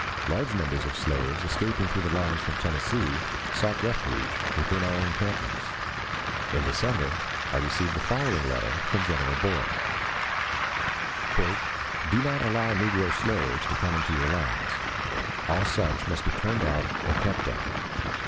Large numbers of slaves escaping through the lines from Tennessee sought refuge within our encampments. In November, I received the following letter from General Boyle: "Do not allow negro slaves to come into your lines. All such must be turned out and kept out.